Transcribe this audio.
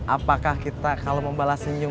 apakah kita kalau membalas senyum